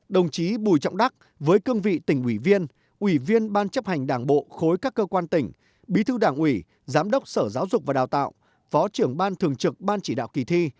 đồng chí bùi trọng đắc với cương vị tỉnh ủy viên ủy viên ban chấp hành đảng bộ khối các cơ quan tỉnh bí thư đảng ủy giám đốc sở giáo dục và đào tạo phó trưởng ban thường trực ban chỉ đạo kỳ thi